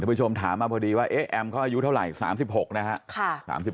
ผู้ชมถามมาพอดีว่าแอมเขาอายุเท่าไหร่๓๖นะฮะ